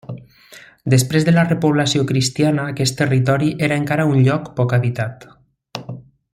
Després de la repoblació cristiana aquest territori era encara un lloc poc habitat.